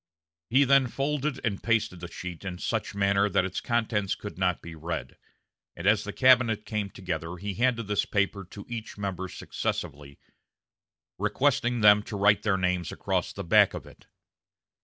He then folded and pasted the sheet in such manner that its contents could not be read, and as the cabinet came together he handed this paper to each member successively, requesting them to write their names across the back of it.